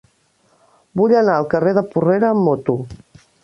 Vull anar al carrer de Porrera amb moto.